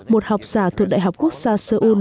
một học giả thuộc đại học quốc gia seoul